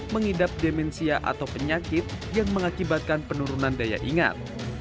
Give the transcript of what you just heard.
mengidap demensia atau penyakit yang mengakibatkan penurunan daya ingat